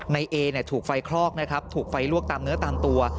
ในเอถูกไฟคลอกนะครับถูกไฟลวกตามเนื้อตามตัว